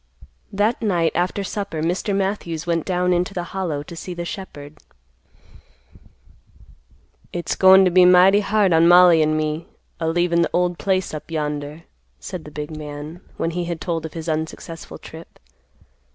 That night after supper Mr. Matthews went down into the Hollow to see the shepherd. "It's goin' to be mighty hard on Mollie and me a leavin' the old place up yonder," said the big man, when he had told of his unsuccessful trip.